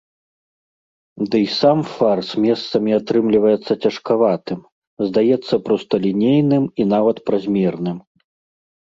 Дый сам фарс месцамі атрымліваецца цяжкаватым, здаецца просталінейным і нават празмерным.